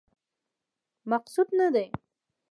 مقصود نه دی.